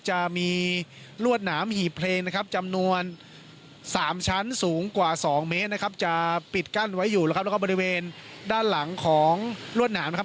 จะมีลวดหนามหีบเพลงนะครับจำนวน๓ชั้นสูงกว่า๒เมตรนะครับจะปิดกั้นไว้อยู่แล้วครับแล้วก็บริเวณด้านหลังของลวดหนามนะครับ